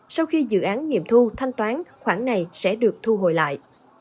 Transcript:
sau khi dự án nghiệm thu thanh toán khoản này sẽ được thu hồi lại